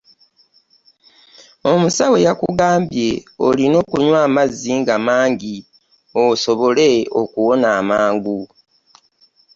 Omusawo yakugambye olina okunwa amazzi nga mangi osobole okuwona amangu.